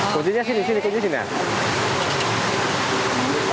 semuanya di dalam peralatan yang